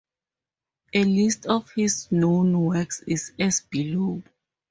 A list of his known works is as below.